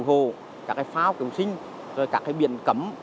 như chuồng kiểu hồ các pháo kiểu sinh các biển cấm